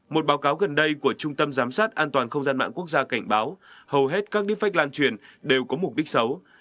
một báo cáo gần đây của trung tâm giám sát an toàn không gian mạng quốc gia cảnh báo hầu hết các defect lan truyền đều có mục đích xấu